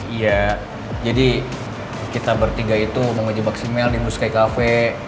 iya jadi kita bertiga itu mau ngejebak si mel di blue sky cafe